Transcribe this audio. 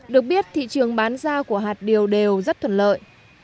được biết thị trường bán ra của hạt điều đều rất thuận lợi